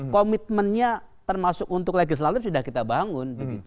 komitmennya termasuk untuk legislatif sudah kita bangun